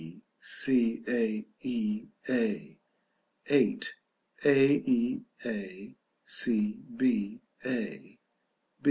b. c. a. e. a. 8. a. e. a.